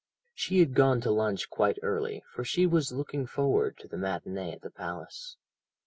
She had gone to lunch quite early, for she was looking forward to the matinée at the Palace.